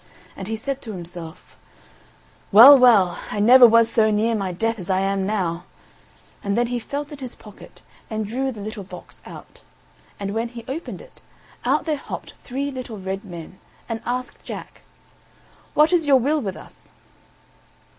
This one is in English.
And he said to himself: "Well, well, I never was so near my death as I am now;" and then he felt in his pocket, and drew the little box out. And when he opened it, out there hopped three little red men, and asked Jack: "What is your will with us?"